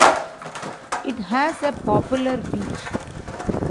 It has a popular beach.